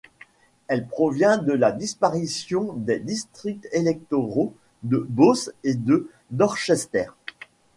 Elle provient de la disparition des districts électoraux de Beauce et de Dorchester.